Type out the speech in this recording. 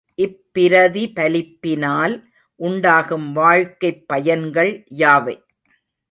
இப்பிரதிபலிப்பினால் உண்டாகும் வாழ்க்கைப் பயன்கள் யாவை?